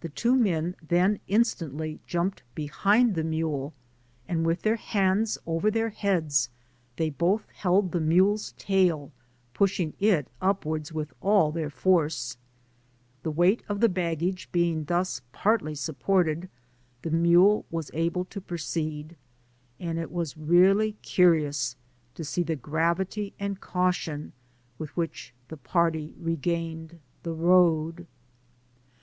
The two men then instantly jumped behind the mule, and with their hands over their heads they both held the mule's tail, pushing it upwards with all their force. The weight of the baggage being thus partly supported, the mule was able to proceed, and it was really Digitized byGoogk THE OftEAT COADILLERA. 171 curious to see the gravity and caution with which the party regained the road.